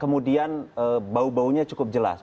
kemudian bau baunya cukup jelas